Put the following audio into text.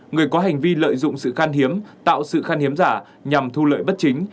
một mươi bốn người có hành vi lợi dụng sự khan hiếm tạo sự khan hiếm giả nhằm thu lợi bất chính